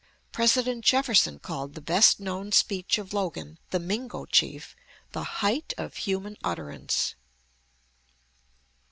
President Jefferson called the best known speech of Logan, the Mingo chief, the "height of human utterance."